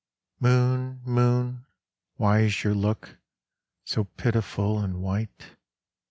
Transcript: Moon, moon, why is your look So pitiful and white?